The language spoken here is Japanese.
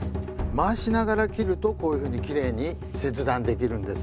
回しながら切るとこういうふうにきれいに切断できるんです。